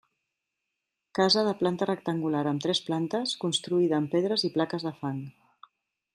Casa de planta rectangular amb tres plantes construïda amb pedres i plaques de fang.